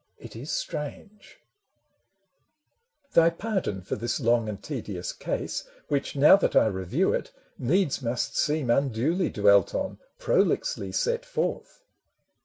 It is strange ! Thy pardon for this long and tedious case, Which, now that I review it, needs must seem Unduly dwelt on, prolixly set forth